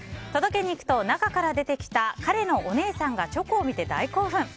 届けに行くと中から出てきた彼のお姉さんがチョコを見て大興奮。